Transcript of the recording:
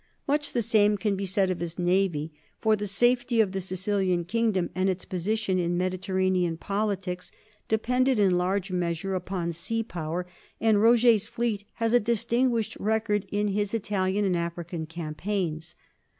Much the same can be said of his navy, for the safety of the Sicilian kingdom and its position in Mediterranean politics depended in large measure upon sea power, and Roger's fleet has a distinguished record in his Italian and African campaigns.